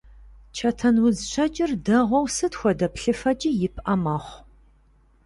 Чэтэнудз щэкӀыр дэгъуэу сыт хуэдэ плъыфэкӀи ипӀэ мэхъу.